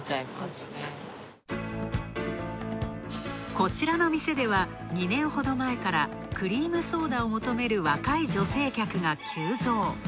こちらの店では、２年ほど前からクリームソーダを求める若い女性客が急増。